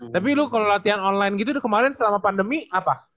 tapi lu kalau latihan online gitu kemarin selama pandemi apa